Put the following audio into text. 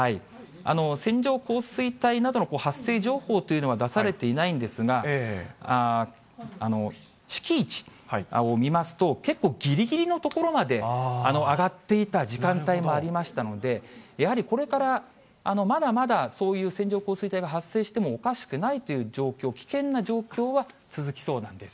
線状降水帯などの発生情報というのは、出されていないんですが、しきい値を見ますと、結構ぎりぎりのところまで上がっていた時間帯がありましたので、やはりこれからまだまだそういう線状降水が発生してもおかしくないという状況、危険な状況は続きそうなんです。